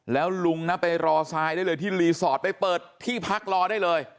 แล้วลุงนะไปรอทรายได้เลยที่รีสอร์ทไปเปิดที่พักรอได้เลย